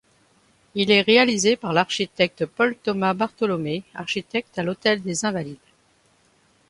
Il est réalisé par l’architecte Paul Thomas Bartholomé, architecte à l’Hôtel des Invalides.